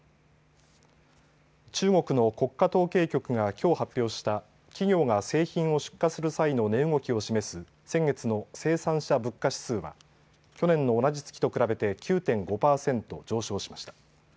中国の国家統計局がきょう発表した企業が製品を出荷する際の値動きを示す先月の生産者物価指数は去年の同じ月と比べて９．５％上昇しました。